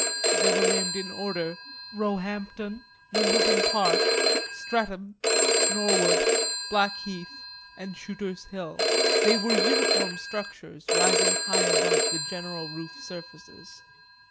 They were named in order, Roehampton, Wimbledon Park, Streatham, Norwood, Blackheath, and Shooter's Hill. They were uniform structures rising high above the general roof surfaces.